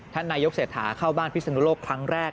ท่านนายกเศรษฐาเข้าบ้านพิศนุโลกครั้งแรก